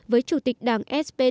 với chủ tịch đảng spd